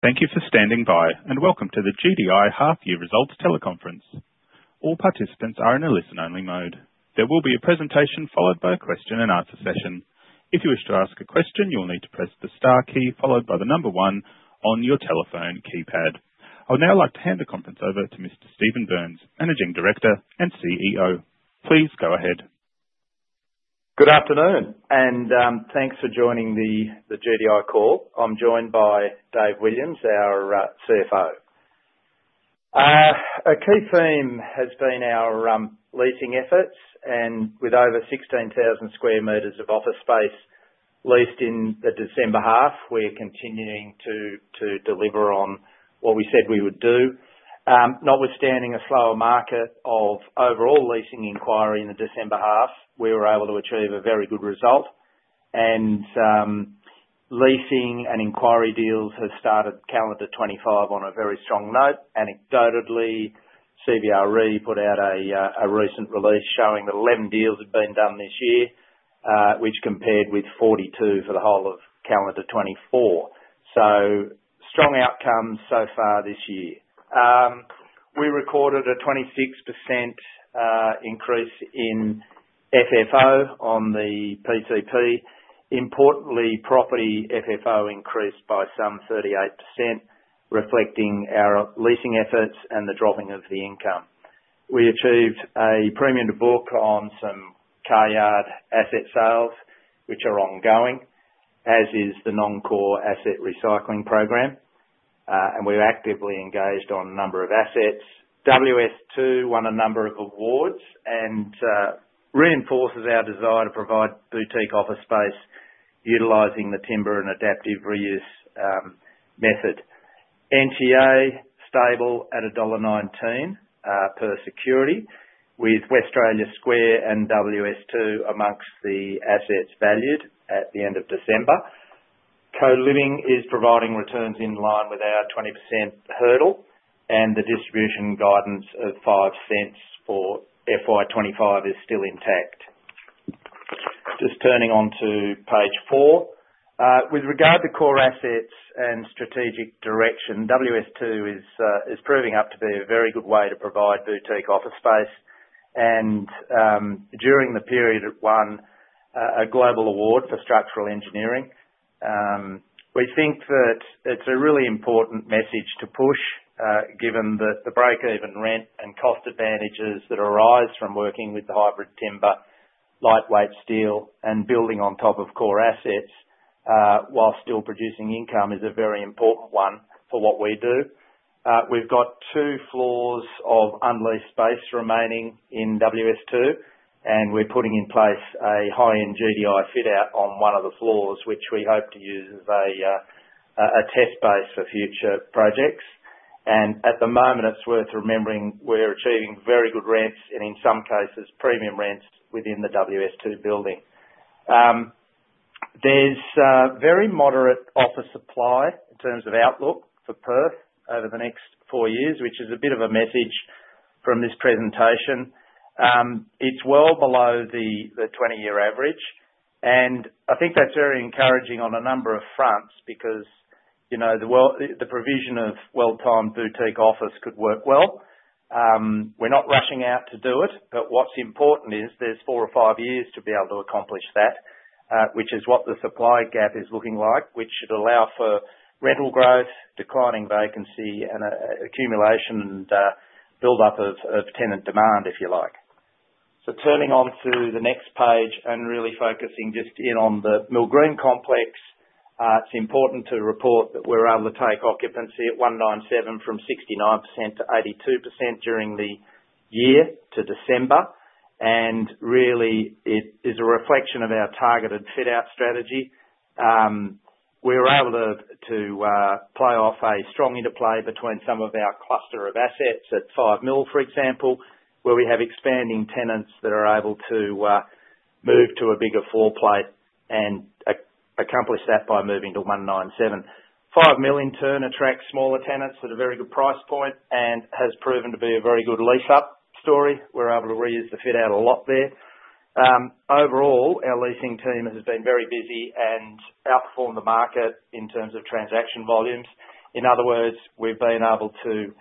Thank you for standing by, and welcome to the GDI half-year results teleconference. All participants are in a listen-only mode. There will be a presentation followed by a question-and-answer session. If you wish to ask a question, you'll need to press the star key followed by the number one on your telephone keypad. I would now like to hand the conference over to Mr. Stephen Burns, Managing Director and CEO. Please go ahead. Good afternoon, and thanks for joining the GDI call. I'm joined by Dave Williams, our CFO. A key theme has been our leasing efforts, and with over 16,000 sq m of office space leased in the December half, we're continuing to deliver on what we said we would do. Notwithstanding a slower market of overall leasing inquiry in the December half, we were able to achieve a very good result, and leasing and inquiry deals have started calendar 2025 on a very strong note. Anecdotally, CBRE put out a recent release showing that 11 deals had been done this year, which compared with 42 for the whole of calendar 2024. Strong outcomes so far this year. We recorded a 26% increase in FFO on the PCP. Importantly, property FFO increased by some 38%, reflecting our leasing efforts and the dropping of the income. We achieved a premium to book on some car yard asset sales, which are ongoing, as is the non-core asset recycling program, and we're actively engaged on a number of assets. WS2 won a number of awards and reinforces our desire to provide boutique office space utilizing the timber and adaptive reuse method. NTA stable at dollar 1.19 per security, with Westralia Square and WS2 amongst the assets valued at the end of December. Co-living is providing returns in line with our 20% hurdle, and the distribution guidance of 0.05 for FY 2025 is still intact. Just turning on to page four. With regard to core assets and strategic direction, WS2 is proving up to be a very good way to provide boutique office space, and during the period it won, a global award for structural engineering. We think that it's a really important message to push, given that the break-even rent and cost advantages that arise from working with the hybrid timber, lightweight steel, and building on top of core assets while still producing income is a very important one for what we do. We have got two floors of unleased space remaining in WS2, and we are putting in place a high-end GDI fit-out on one of the floors, which we hope to use as a test base for future projects. At the moment, it is worth remembering we are achieving very good rents and, in some cases, premium rents within the WS2 building. There is very moderate office supply in terms of outlook for Perth over the next four years, which is a bit of a message from this presentation. It's well below the 20-year average, and I think that's very encouraging on a number of fronts because the provision of well-timed boutique office could work well. We're not rushing out to do it, but what's important is there's four or five years to be able to accomplish that, which is what the supply gap is looking like, which should allow for rental growth, declining vacancy, and accumulation and build-up of tenant demand, if you like. Turning on to the next page and really focusing just in on the Mill Green complex, it's important to report that we're able to take occupancy at 197 from 69%-82% during the year to December, and really it is a reflection of our targeted fit-out strategy. We were able to play off a strong interplay between some of our cluster of assets at 5 Mill, for example, where we have expanding tenants that are able to move to a bigger floor plate and accomplish that by moving to 197. 5 Mill, in turn, attracts smaller tenants at a very good price point and has proven to be a very good lease-up story. We're able to reuse the fit-out a lot there. Overall, our leasing team has been very busy and outperformed the market in terms of transaction volumes. In other words, we've been able to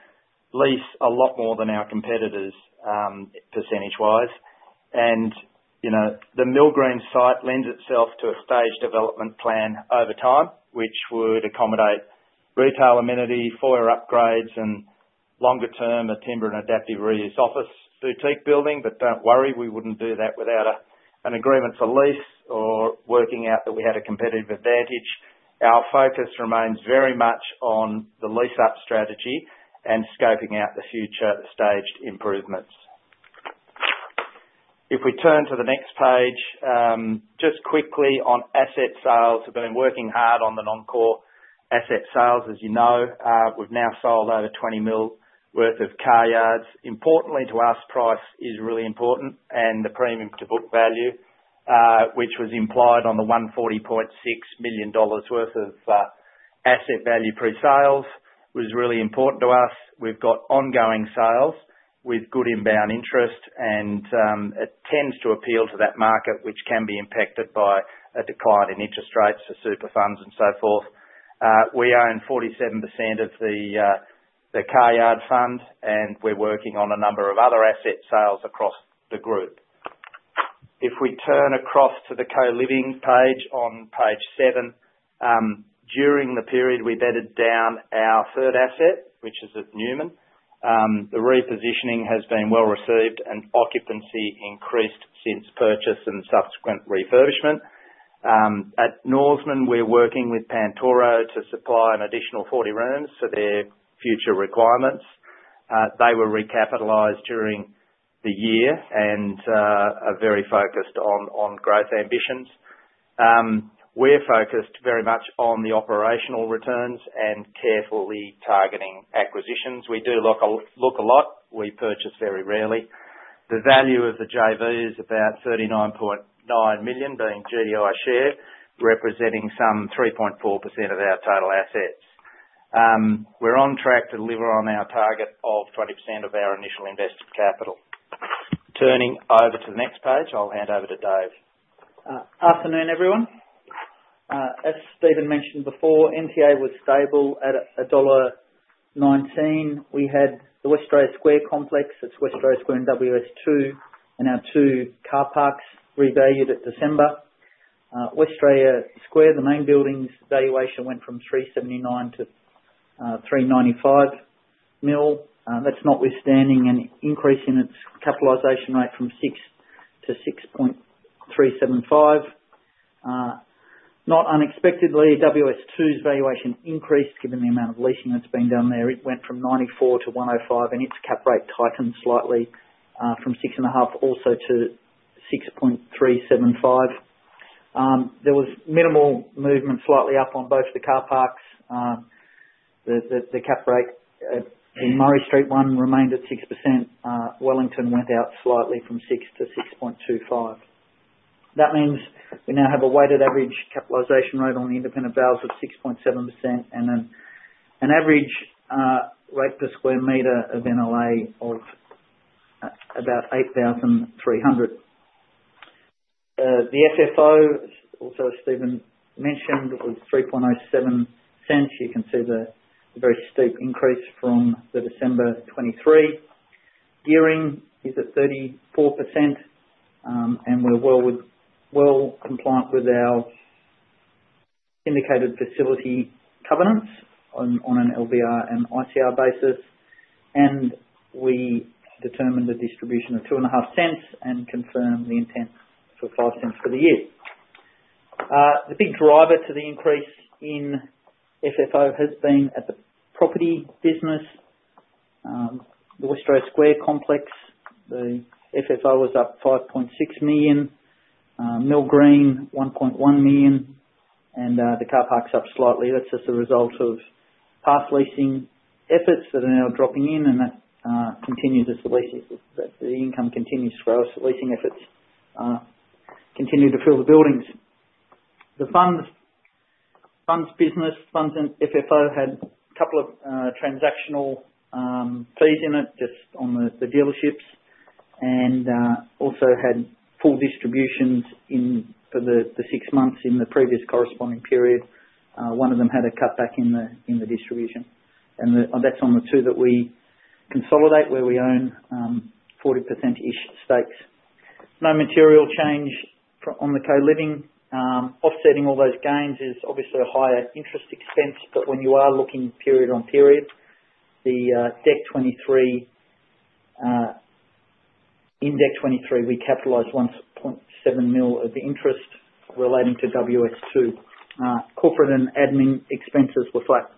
lease a lot more than our competitors percentage-wise. The Mill Green site lends itself to a staged development plan over time, which would accommodate retail amenity, foyer upgrades, and longer-term a timber and adaptive reuse office boutique building. Don't worry, we wouldn't do that without an agreement for lease or working out that we had a competitive advantage. Our focus remains very much on the lease-up strategy and scoping out the future staged improvements. If we turn to the next page, just quickly on asset sales, we've been working hard on the non-core asset sales, as you know. We've now sold over 20 million worth of car yards. Importantly, to us, price is really important, and the premium to book value, which was implied on the 140.6 million dollars worth of asset value pre-sales, was really important to us. We've got ongoing sales with good inbound interest, and it tends to appeal to that market, which can be impacted by a decline in interest rates for super funds and so forth. We own 47% of the car yard fund, and we're working on a number of other asset sales across the group. If we turn across to the co-living page on page seven, during the period we bedded down our third asset, which is at Newman, the repositioning has been well received and occupancy increased since purchase and subsequent refurbishment. At Northbridge, we're working with Pantoro to supply an additional 40 rooms for their future requirements. They were recapitalized during the year and are very focused on growth ambitions. We're focused very much on the operational returns and carefully targeting acquisitions. We do look a lot. We purchase very rarely. The value of the JV is about 39.9 million being GDI share, representing some 3.4% of our total assets. We're on track to deliver on our target of 20% of our initial invested capital. Turning over to the next page, I'll hand over to Dave. Afternoon, everyone. As Stephen mentioned before, NTA was stable at dollar 1.19. We had the Westralia Square complex. It is Westralia Square and WS2, and our two car parks revalued at December. Westralia Square, the main building's valuation went from 379 million-395 million. That is notwithstanding an increase in its capitalization rate from 6%-6.375%. Not unexpectedly, WS2's valuation increased given the amount of leasing that has been done there. It went from 94 million-105 million, and its cap rate tightened slightly from 6.5% also to 6.375%. There was minimal movement, slightly up on both the car parks. The cap rate in Murray Street, one, remained at 6%. Wellington went out slightly from 6%-6.25%. That means we now have a weighted average capitalization rate on the independent values of 6.7% and an average rate per square meter of NLA of about 8,300. The FFO, as also Stephen mentioned, was 3.07. You can see the very steep increase from the December 2023. Year-end is at 34%, and we're well compliant with our indicated facility covenants on an LVR and ICR basis, and we determined a distribution of 2.5 and confirmed the intent for 5 for the year. The big driver to the increase in FFO has been at the property business, the Westralia Square complex. The FFO was up 5.6 million. Mill Green, 1.1 million, and the car parks up slightly. That's just the result of past leasing efforts that are now dropping in, and that continues as the income continues to grow, so leasing efforts continue to fill the buildings. The funds business, funds and FFO had a couple of transactional fees in it just on the dealerships and also had full distributions for the six months in the previous corresponding period. One of them had a cutback in the distribution, and that's on the two that we consolidate where we own 40%-ish stakes. No material change on the co-living. Offsetting all those gains is obviously a higher interest expense, but when you are looking period on period, the index 2023, we capitalized 1.7 million of the interest relating to WS2. Corporate and admin expenses were flat.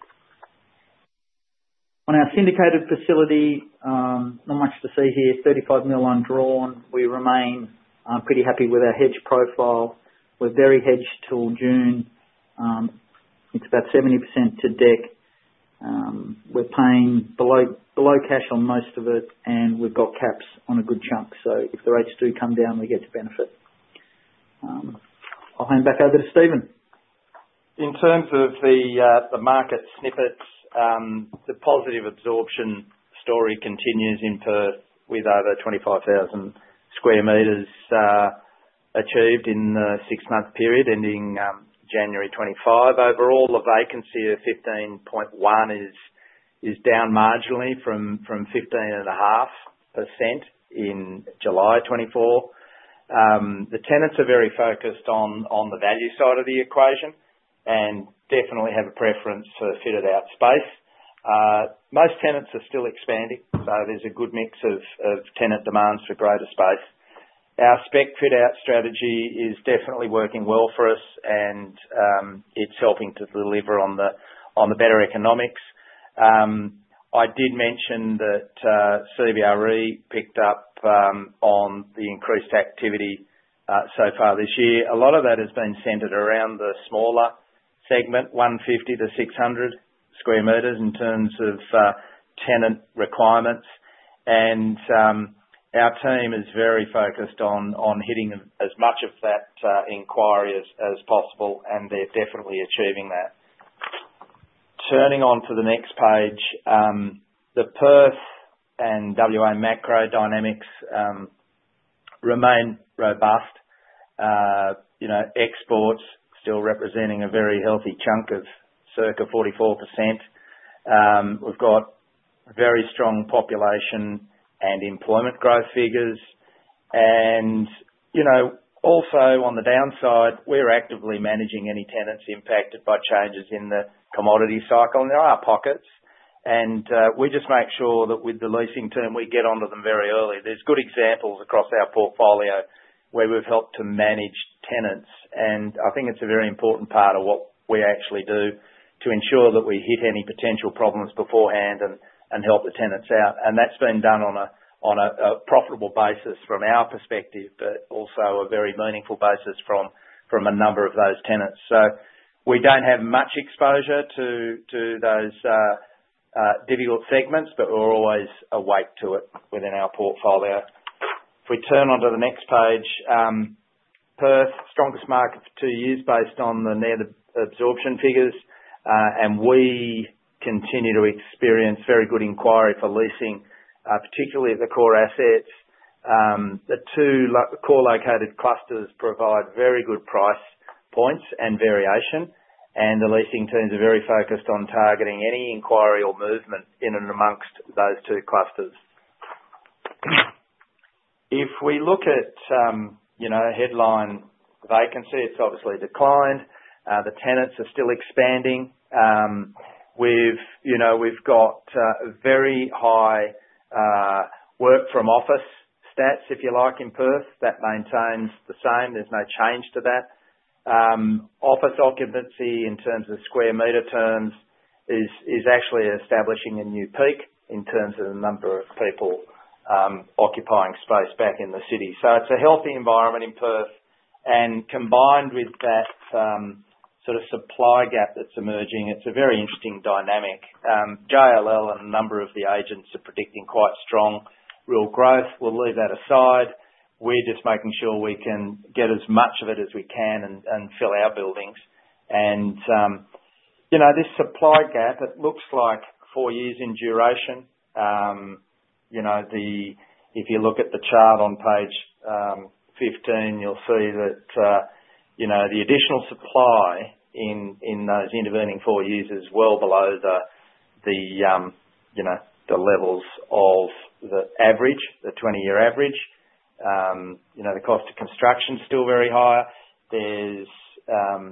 On our syndicated facility, not much to see here. 35 million undrawn. We remain pretty happy with our hedge profile. We're very hedged till June. It's about 70% to debt. We're paying below cash on most of it, and we've got caps on a good chunk, so if the rates do come down, we get to benefit. I'll hand back over to Stephen. In terms of the market snippets, the positive absorption story continues in Perth with over 25,000 sq m achieved in the six-month period ending January 2025. Overall, the vacancy of 15.1% is down marginally from 15.5% in July 2024. The tenants are very focused on the value side of the equation and definitely have a preference for fitted-out space. Most tenants are still expanding, so there's a good mix of tenant demands for greater space. Our spec fit-out strategy is definitely working well for us, and it's helping to deliver on the better economics. I did mention that CBRE picked up on the increased activity so far this year. A lot of that has been centered around the smaller segment, 150-600 sq m in terms of tenant requirements, and our team is very focused on hitting as much of that inquiry as possible, and they're definitely achieving that. Turning on to the next page, the Perth and WA macro dynamics remain robust. Exports still representing a very healthy chunk of circa 44%. We've got very strong population and employment growth figures. Also on the downside, we're actively managing any tenants impacted by changes in the commodity cycle, and there are pockets, and we just make sure that with the leasing term, we get onto them very early. There's good examples across our portfolio where we've helped to manage tenants, and I think it's a very important part of what we actually do to ensure that we hit any potential problems beforehand and help the tenants out. That's been done on a profitable basis from our perspective, but also a very meaningful basis from a number of those tenants. We do not have much exposure to those difficult segments, but we are always awake to it within our portfolio. If we turn on to the next page, Perth, strongest market for two years based on the net absorption figures, and we continue to experience very good inquiry for leasing, particularly at the core assets. The two core located clusters provide very good price points and variation, and the leasing teams are very focused on targeting any inquiry or movement in and amongst those two clusters. If we look at headline vacancy, it has obviously declined. The tenants are still expanding. We have very high work-from-office stats, if you like, in Perth. That maintains the same. There is no change to that. Office occupancy in terms of square meter terms is actually establishing a new peak in terms of the number of people occupying space back in the city. It is a healthy environment in Perth, and combined with that sort of supply gap that is emerging, it is a very interesting dynamic. JLL and a number of the agents are predicting quite strong real growth. We will leave that aside. We are just making sure we can get as much of it as we can and fill our buildings. This supply gap looks like four years in duration. If you look at the chart on page 15, you will see that the additional supply in those intervening four years is well below the levels of the 20-year average. The cost of construction is still very high. There are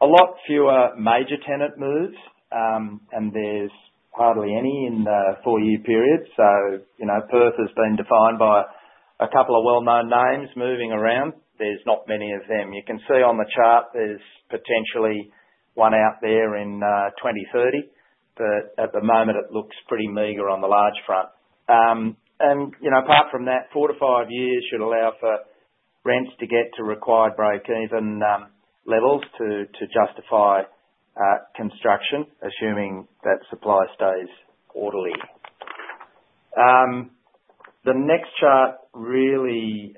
a lot fewer major tenant moves, and there are hardly any in the four-year period. Perth has been defined by a couple of well-known names moving around. There are not many of them. You can see on the chart there's potentially one out there in 2030, but at the moment, it looks pretty meager on the large front. Apart from that, four to five years should allow for rents to get to required break-even levels to justify construction, assuming that supply stays orderly. The next chart really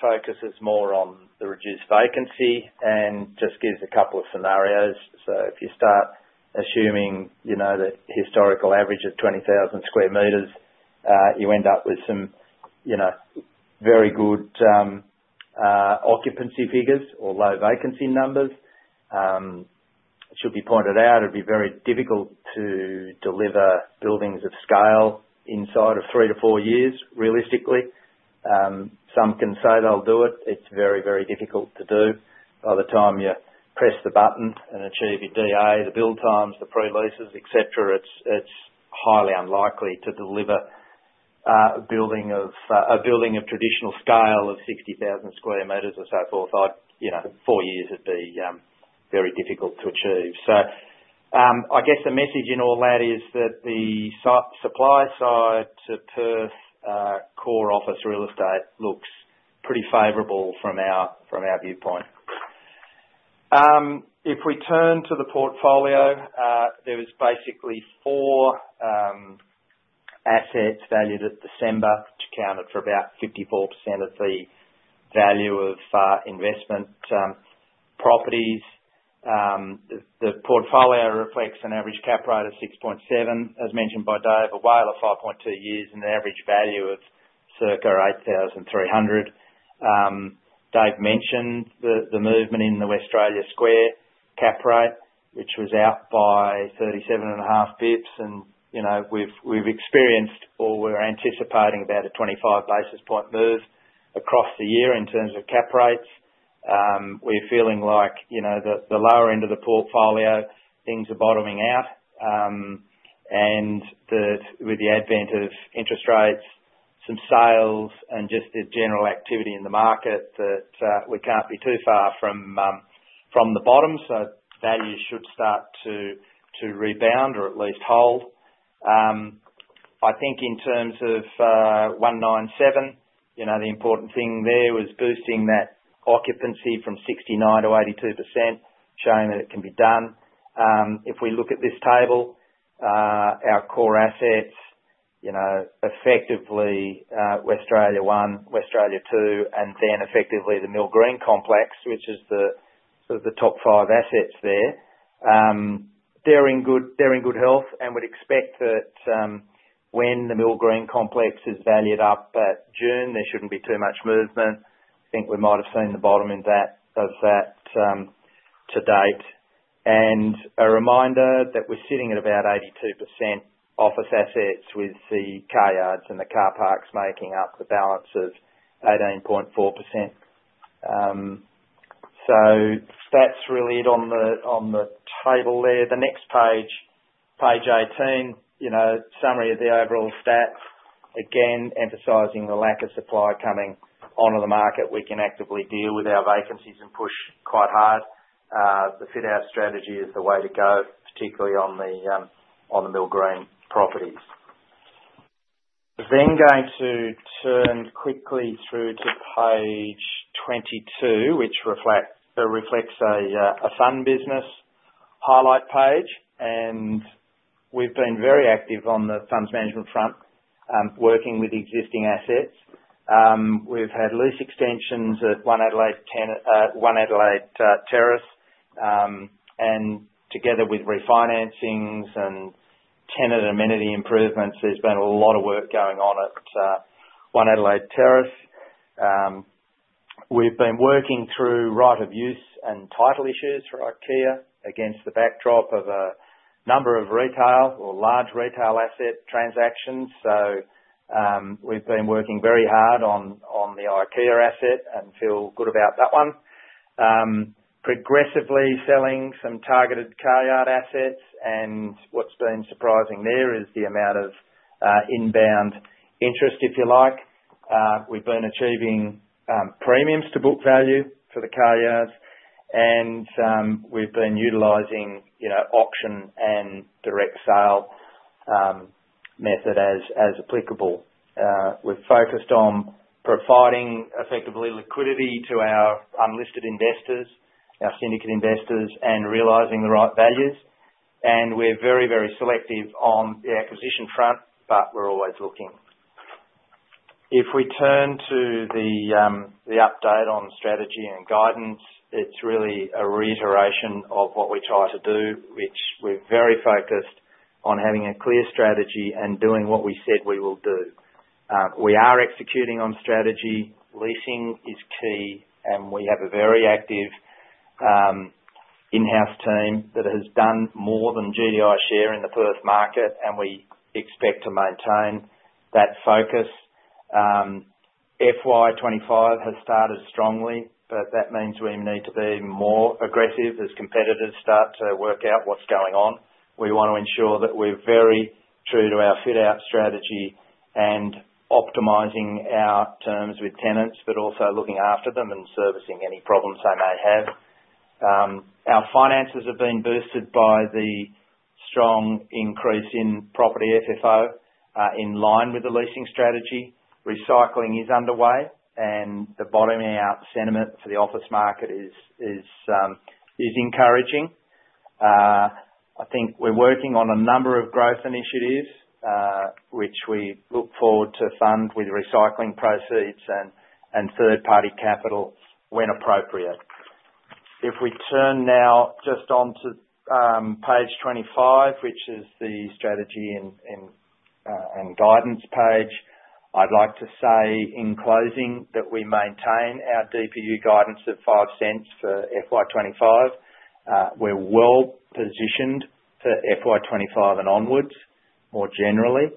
focuses more on the reduced vacancy and just gives a couple of scenarios. If you start assuming the historical average of 20,000 sq m, you end up with some very good occupancy figures or low vacancy numbers. It should be pointed out, it'd be very difficult to deliver buildings of scale inside of three to four years, realistically. Some can say they'll do it. It's very, very difficult to do. By the time you press the button and achieve your DA, the build times, the pre-leases, etc., it's highly unlikely to deliver a building of traditional scale of 60,000 sq m or so forth. Four years would be very difficult to achieve. I guess the message in all that is that the supply side to Perth core office real estate looks pretty favorable from our viewpoint. If we turn to the portfolio, there was basically four assets valued at December, which accounted for about 54% of the value of investment properties. The portfolio reflects an average cap rate of 6.7%, as mentioned by Dave, a WALE of 5.2 years and an average value of circa 8,300 per sq m. Dave mentioned the movement in the Westralia Square cap rate, which was out by 37.5 basis points, and we have experienced or we are anticipating about a 25 basis point move across the year in terms of cap rates. We are feeling like the lower end of the portfolio, things are bottoming out, and with the advent of interest rates, some sales, and just the general activity in the market, that we cannot be too far from the bottom, so values should start to rebound or at least hold. I think in terms of 197, the important thing there was boosting that occupancy from 69%-82%, showing that it can be done. If we look at this table, our core assets, effectively Westralia One, Westralia Two, and then effectively the Mill Green Complex, which is the top five assets there. They're in good health, and we'd expect that when the Mill Green Complex is valued up at June, there shouldn't be too much movement. I think we might have seen the bottom of that to date. A reminder that we're sitting at about 82% office assets with the car yards and the car parks making up the balance of 18.4%. That's really it on the table there. The next page, page 18, summary of the overall stats, again emphasizing the lack of supply coming onto the market. We can actively deal with our vacancies and push quite hard. The fit-out strategy is the way to go, particularly on the Mill Green properties. I'm then going to turn quickly through to page 22, which reflects a fund business highlight page, and we've been very active on the funds management front, working with existing assets. We've had lease extensions at One Adelaide Terrace, and together with refinancings and tenant amenity improvements, there's been a lot of work going on at One Adelaide Terrace. We've been working through right of use and title issues for IKEA against the backdrop of a number of retail or large retail asset transactions. We've been working very hard on the IKEA asset and feel good about that one. Progressively selling some targeted car yard assets, and what's been surprising there is the amount of inbound interest, if you like. We've been achieving premiums to book value for the car yards, and we've been utilizing auction and direct sale method as applicable. We've focused on providing effectively liquidity to our unlisted investors, our syndicate investors, and realizing the right values. We're very, very selective on the acquisition front, but we're always looking. If we turn to the update on strategy and guidance, it's really a reiteration of what we try to do, which we're very focused on having a clear strategy and doing what we said we will do. We are executing on strategy. Leasing is key, and we have a very active in-house team that has done more than GDI share in the Perth market, and we expect to maintain that focus. FY 2025 has started strongly, but that means we need to be more aggressive as competitors start to work out what's going on. We want to ensure that we're very true to our fit-out strategy and optimizing our terms with tenants, but also looking after them and servicing any problems they may have. Our finances have been boosted by the strong increase in property FFO in line with the leasing strategy. Recycling is underway, and the bottoming out sentiment for the office market is encouraging. I think we're working on a number of growth initiatives, which we look forward to fund with recycling proceeds and third-party capital when appropriate. If we turn now just on to page 25, which is the strategy and guidance page, I'd like to say in closing that we maintain our DPU guidance at 0.05 for FY 2025. We're well positioned for FY 2025 and onwards more generally,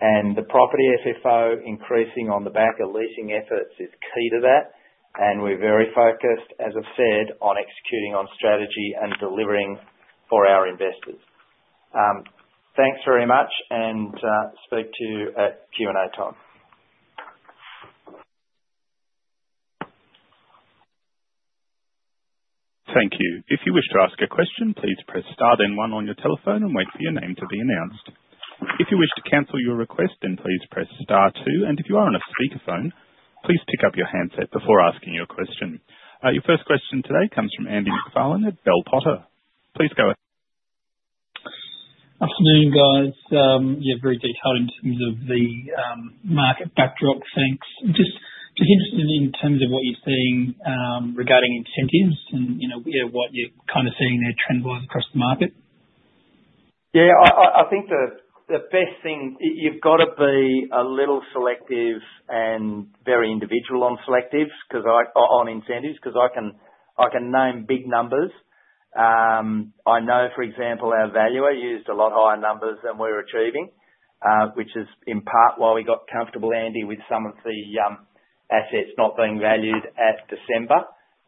and the property FFO increasing on the back of leasing efforts is key to that, and we're very focused, as I've said, on executing on strategy and delivering for our investors. Thanks very much, and speak to you at Q&A time. Thank you. If you wish to ask a question, please press star then one on your telephone and wait for your name to be announced. If you wish to cancel your request, then please press star two, and if you are on a speakerphone, please pick up your handset before asking your question. Your first question today comes from Andy MacFarlane at Bell Potter. Please go ahead. Afternoon, guys. Yeah, very good. How are you in terms of the market backdrop? Thanks. Just interested in terms of what you're seeing regarding incentives and what you're kind of seeing there trend-wise across the market. Yeah, I think the best thing, you've got to be a little selective and very individual on incentives because I can name big numbers. I know, for example, our valuer used a lot higher numbers than we're achieving, which is in part why we got comfortable, Andy, with some of the assets not being valued at December.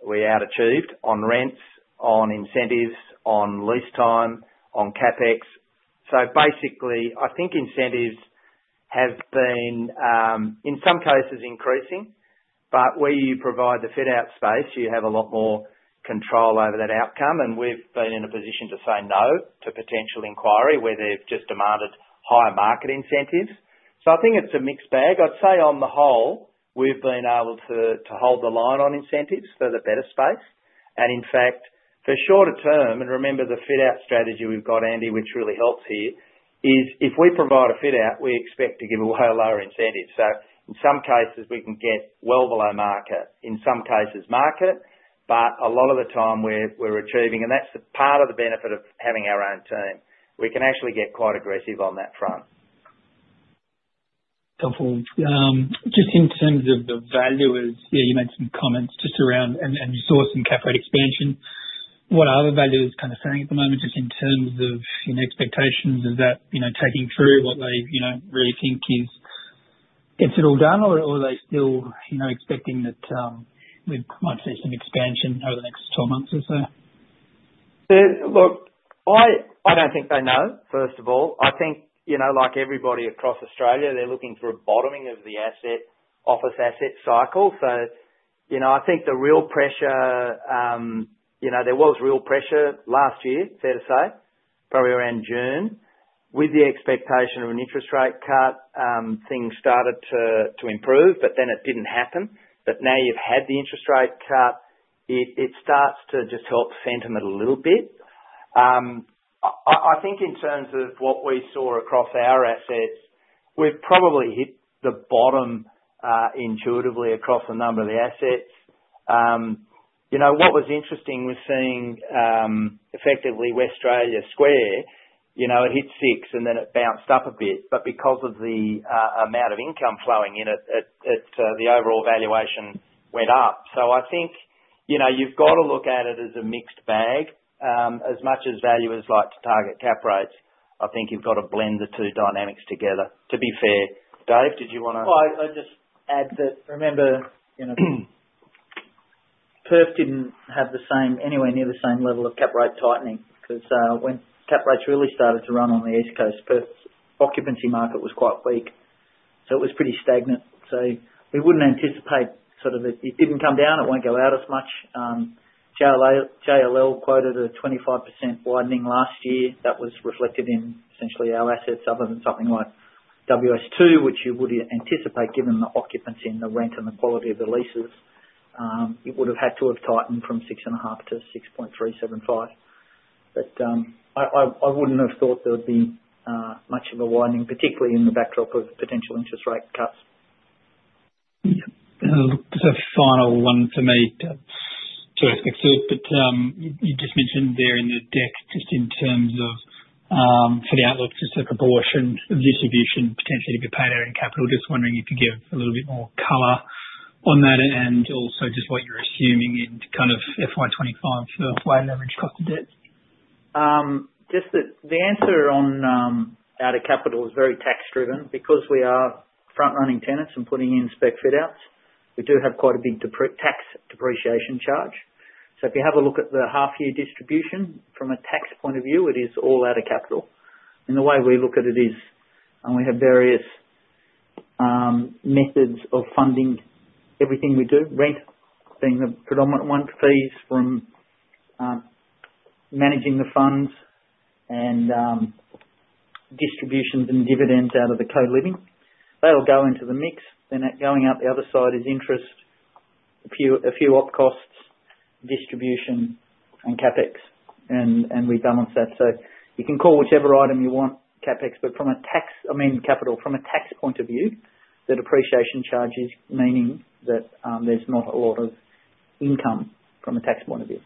We out-achieved on rents, on incentives, on lease time, on CapEx. Basically, I think incentives have been, in some cases, increasing, but where you provide the fit-out space, you have a lot more control over that outcome, and we've been in a position to say no to potential inquiry where they've just demanded higher market incentives. I think it's a mixed bag. I'd say on the whole, we've been able to hold the line on incentives for the better space. In fact, for shorter-term, and remember the fit-out strategy we've got, Andy, which really helps here, is if we provide a fit-out, we expect to give away a lower incentive. In some cases, we can get well below market, in some cases, market, but a lot of the time we're achieving, and that's part of the benefit of having our own team. We can actually get quite aggressive on that front. Helpful. Just in terms of the valuers, yeah, you made some comments just around resource and CapEx expansion. What are the valuers kind of saying at the moment just in terms of expectations? Is that taking through what they really think gets it all done, or are they still expecting that we might see some expansion over the next 12 months or so? Look, I don't think they know, first of all. I think like everybody across Australia, they're looking for a bottoming of the office asset cycle. I think the real pressure, there was real pressure last year, fair to say, probably around June, with the expectation of an interest rate cut, things started to improve, but then it didn't happen. Now you've had the interest rate cut, it starts to just help sentiment a little bit. I think in terms of what we saw across our assets, we've probably hit the bottom intuitively across a number of the assets. What was interesting, we're seeing effectively Westralia Square, it hit six and then it bounced up a bit, but because of the amount of income flowing in it, the overall valuation went up. I think you've got to look at it as a mixed bag. As much as valuers like to target CapEx, I think you've got to blend the two dynamics together. To be fair. Dave, did you want to? I'll just add that remember Perth didn't have anywhere near the same level of CapEx tightening because when CapEx really started to run on the East Coast, Perth's occupancy market was quite weak. It was pretty stagnant. We wouldn't anticipate, sort of, it didn't come down, it won't go out as much. JLL quoted a 25% widening last year. That was reflected in essentially our assets other than something like WS2, which you would anticipate given the occupancy and the rent and the quality of the leases. It would have had to have tightened from 6.5%-6.375%. I wouldn't have thought there would be much of a widening, particularly in the backdrop of potential interest rate cuts. Yeah. Just a final one for me. To expect to. You just mentioned there in the deck, just in terms of for the outlook, just the proportion of distribution potentially to be paid out in capital. Just wondering if you could give a little bit more color on that and also just what you're assuming in kind of FY 2025 for widened average cost of debt. Just that the answer on out of capital is very tax-driven. Because we are front-running tenants and putting in spec fit-outs, we do have quite a big tax depreciation charge. If you have a look at the half-year distribution, from a tax point of view, it is all out of capital. The way we look at it is, and we have various methods of funding everything we do, rent being the predominant one, fees from managing the funds, and distributions and dividends out of the co-living. They will go into the mix. Going out the other side is interest, a few op costs, distribution, and CapEx. We balance that. You can call whichever item you want CapEx, but from a tax, I mean, capital. From a tax point of view, the depreciation charge is meaning that there's not a lot of income from a tax point of view.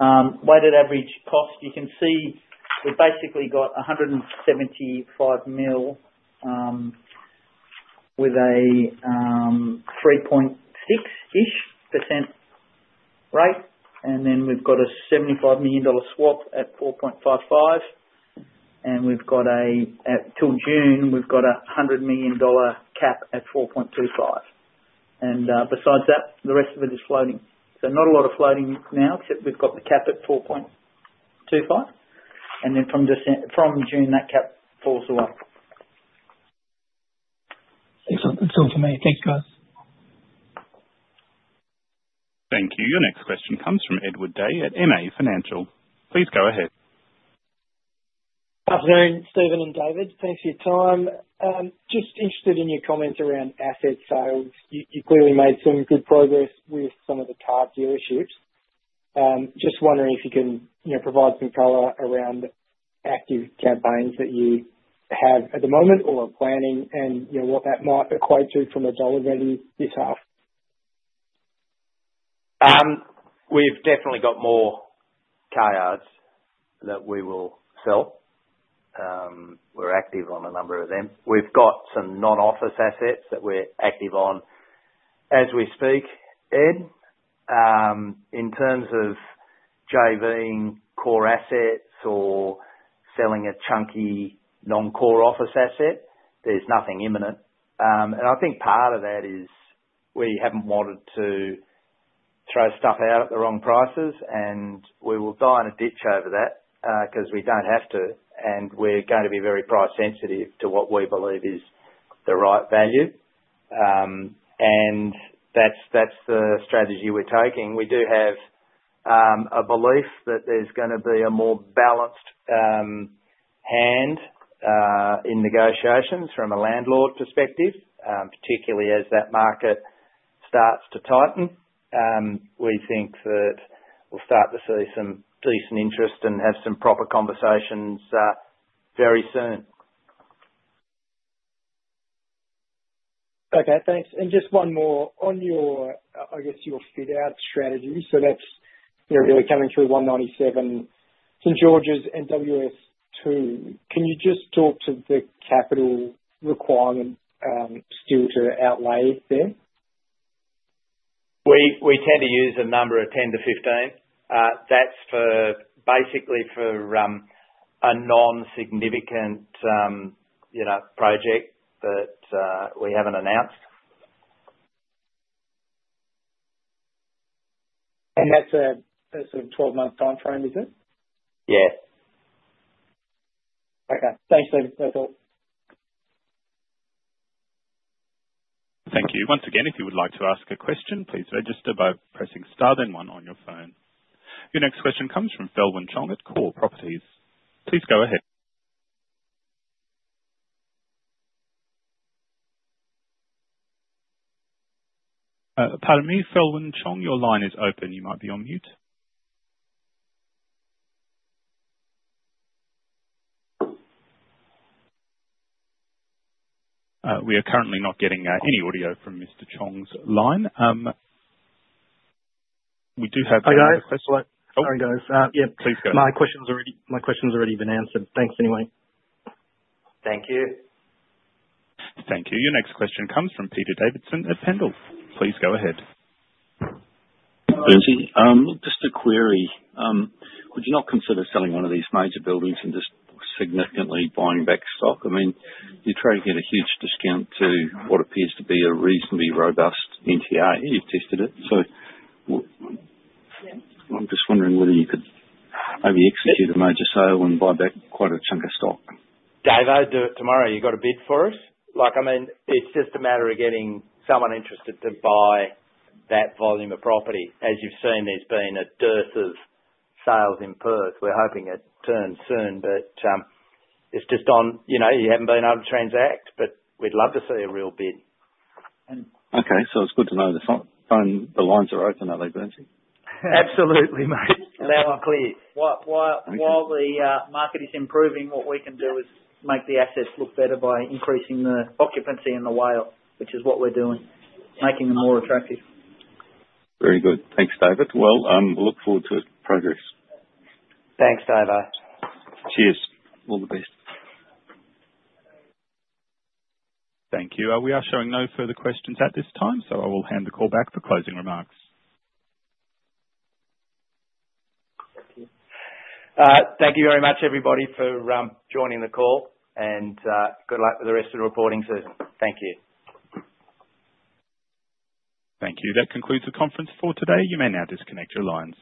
Weighted average cost, you can see we've basically got 175 million with a 3.6% rate. We've got a 75 million dollar swap at 4.55%. Until June, we've got a 100 million dollar cap at 4.25%. Besides that, the rest of it is floating. Not a lot of floating now, except we've got the cap at 4.25%. From June, that cap falls away. Excellent. That's all for me. Thanks, guys. Thank you. Your next question comes from Edward Day at MA Financial. Please go ahead. Good afternoon, Stephen and David. Thanks for your time. Just interested in your comments around asset sales. You clearly made some good progress with some of the car dealerships. Just wondering if you can provide some color around active campaigns that you have at the moment or are planning and what that might equate to from a dollar revenue this half. We've definitely got more car yards that we will sell. We're active on a number of them. We've got some non-office assets that we're active on as we speak, Ed. In terms of JVing core assets or selling a chunky non-core office asset, there's nothing imminent. I think part of that is we haven't wanted to throw stuff out at the wrong prices, and we will die in a ditch over that because we don't have to. We're going to be very price-sensitive to what we believe is the right value. That's the strategy we're taking. We do have a belief that there's going to be a more balanced hand in negotiations from a landlord perspective, particularly as that market starts to tighten. We think that we'll start to see some decent interest and have some proper conversations very soon. Okay. Thanks. Just one more on your, I guess, your fit-out strategy. That is really coming through 197 St Georges and WS2. Can you just talk to the capital requirement still to outlay there? We tend to use a number of 10-15. That's basically for a non-significant project that we haven't announced. That's a 12-month time frame, is it? Yeah. Okay. Thanks, Stephen. That's all. Thank you. Once again, if you would like to ask a question, please register by pressing star then one on your phone. Your next question comes from Selwyn Chong at Core Property. Please go ahead. Pardon me, Selwyn Chong, your line is open. You might be on mute. We are currently not getting any audio from Mr. Chong's line. We do have a question. Hey, guys. Sorry, guys. Yeah. Please go ahead. My questions have already been answered. Thanks anyway. Thank you. Thank you. Your next question comes from Peter Davidson at Pendal. Please go ahead. Stephen, just a query. Would you not consider selling one of these major buildings and just significantly buying back stock? I mean, you're trying to get a huge discount to what appears to be a reasonably robust NTA. You've tested it. I am just wondering whether you could maybe execute a major sale and buy back quite a chunk of stock. Dave, I'd do it tomorrow. You got a bid for us? I mean, it's just a matter of getting someone interested to buy that volume of property. As you've seen, there's been a dearth of sales in Perth. We're hoping it turns soon, but it's just on you haven't been able to transact, but we'd love to see a real bid. Okay. It's good to know the lines are open, are they, Stephen? Absolutely, mate. Now I'm clear. While the market is improving, what we can do is make the assets look better by increasing the occupancy in the whale, which is what we're doing, making them more attractive. Very good. Thanks, David. Look forward to progress. Thanks, Dave. Cheers. All the best. Thank you. We are showing no further questions at this time, so I will hand the call back for closing remarks. Thank you. Thank you very much, everybody, for joining the call. Good luck with the rest of the reporting. Thank you. Thank you. That concludes the conference for today. You may now disconnect your lines.